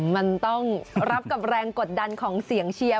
มันต้องรับกับแรงกดดันของเสียงเชียร์